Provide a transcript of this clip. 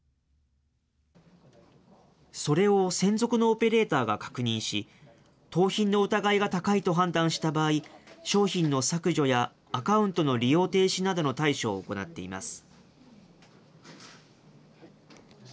それを専属のオペレーターが確認し、盗品の疑いが高いと判断した場合、商品の削除やアカウントの利用停止などの対処を行っています。